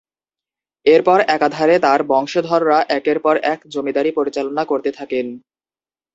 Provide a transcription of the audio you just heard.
এরপর একাধারে তার বংশধররা একের পর এক জমিদারী পরিচালনা করতে থাকেন।